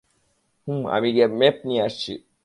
হুম, আমি গিয়ে ম্যাপ নিয়ে আসছি।